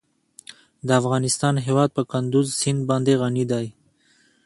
د افغانستان هیواد په کندز سیند باندې غني دی.